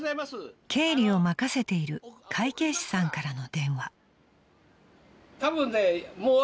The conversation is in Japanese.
［経理を任せている会計士さんからの電話］